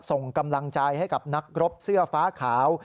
ส่งกำลังใจให้กับนักรบเสื้อฟ้าขาว